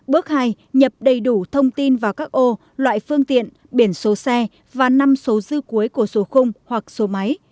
bước hai nhập đầy đủ thông tin vào các ô loại phương tiện biển số xe và năm số dư cuối của số khung hoặc số máy